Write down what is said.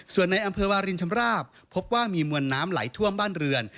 ส่วนในอำเภอวารินชำราบพบว่ามีมวลน้ำไหลท่วมบ้านเรือน